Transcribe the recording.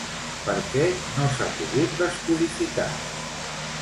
Per què no s'ha pogut descodificar?